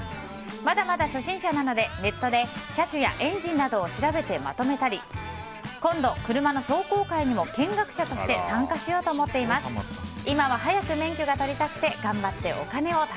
まだまだ初心者なので、ネットで車種やエンジンなどを調べてまとめたり今度、車の走行会にも［東京の下町大島をお散歩中の太一さん］